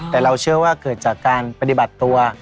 แต่เราเชื่อว่าเกิดจากการปฏิบัติตัว